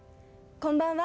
こんばんは。